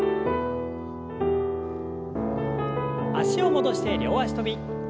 脚を戻して両脚跳び。